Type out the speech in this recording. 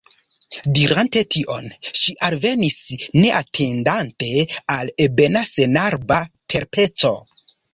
Dirante tion, ŝi alvenis, neatendante, al ebena senarba terpeco.